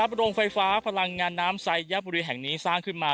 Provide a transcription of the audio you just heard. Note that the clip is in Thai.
โรงไฟฟ้าพลังงานน้ำไซยบุรีแห่งนี้สร้างขึ้นมา